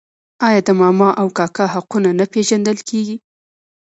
آیا د ماما او کاکا حقونه نه پیژندل کیږي؟